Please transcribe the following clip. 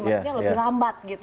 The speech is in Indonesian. maksudnya lebih lambat gitu